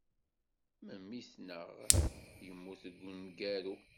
Memmi-tneɣ yemmut deg umgaru.